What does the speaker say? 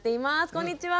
こんにちは！